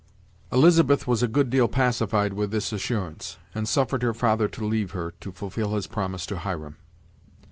Elizabeth was a good deal pacified with this assurance, and suffered her father to leave her, to fulfil his promise to Hiram.